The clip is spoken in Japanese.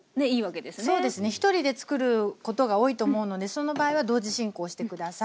ひとりで作ることが多いと思うのでその場合は同時進行して下さい。